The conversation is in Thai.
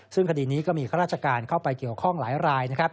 ซึ่งคดีนี้ก็มีข้าราชการเข้าไปเกี่ยวข้องหลายรายนะครับ